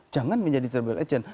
jangan menjadi travel agent